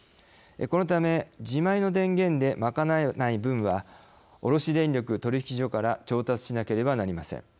このため自前の電源で賄えない分は卸電力取引所から調達しなければなりません。